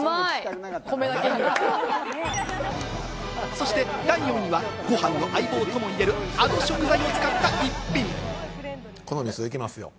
そして第４位は、ご飯の相棒とも言えるあの食材を使った一品。